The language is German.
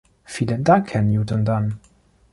Vielen Dank, Herr Newton Dunn.